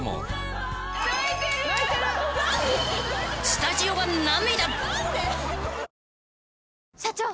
［スタジオは涙］